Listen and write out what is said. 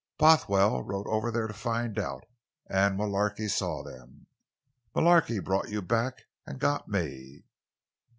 "Bothwell rode over there to find out—and Mullarky saw them. Mullarky brought you back—and got me."